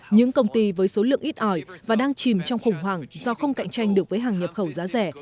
những công ty với số lượng ít ỏi và đang chìm trong khủng hoảng do không cạnh tranh được với hàng nhập khẩu giá rẻ